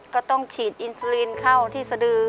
ก็ต้องฉีดอินสลินเข้าที่สดือ